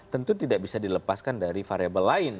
tentu tidak bisa dilepaskan dari variable lain